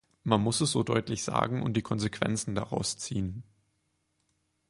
Man muss es so deutlich sagen und die Konsequenzen daraus ziehen.